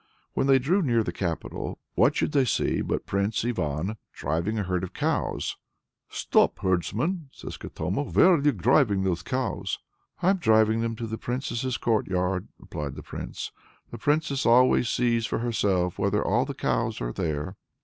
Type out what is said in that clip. When they drew near to the capital, what should they see but Prince Ivan driving a herd of cows! "Stop, herdsman!" says Katoma; "where are you driving these cows?" "I'm driving them to the Princess's courtyard," replied the Prince. "The Princess always sees for herself whether all the cows are there."